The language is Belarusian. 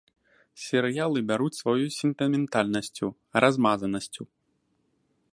Серыялы бяруць сваёй сентыментальнасцю, размазанасцю.